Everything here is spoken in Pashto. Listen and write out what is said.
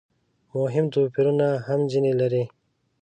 مهم توپیرونه هم ځنې لري.